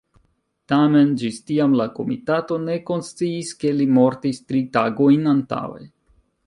Tamen, ĝis tiam la komitato ne konsciis ke li mortis tri tagojn antaŭe.